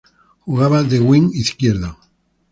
Jugaba de wing izquierdo.